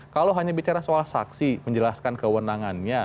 kalau hanya bicara soal saksi menjelaskan kewenangannya